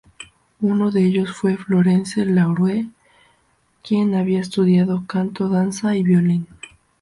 Uno de ellos fue Florence LaRue, quien había estudiado canto, danza y violín.